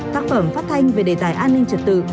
tác phẩm phát thanh về đề tài an ninh trật tự